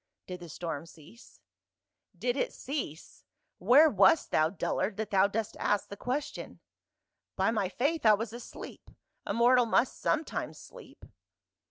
" Did the storm cease ?"" Did it cease ? Where wast thou, dullard, that thou dost ask the question ?"" By my faith, I was asleep. A mortal must some times sleep."